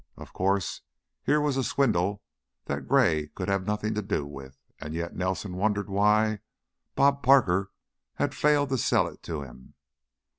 Of course, here was a swindle that Gray could have had nothing to do with, and yet Nelson wondered why "Bob" Parker had failed to sell it to him.